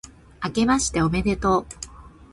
あけましておめでとう、